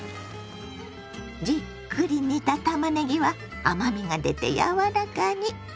じっくり煮たたまねぎは甘みが出て柔らかに。